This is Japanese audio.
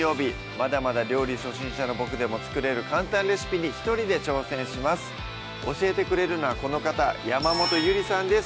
まだまだ料理初心者のボクでも作れる簡単レシピに一人で挑戦します教えてくれるのはこの方山本ゆりさんです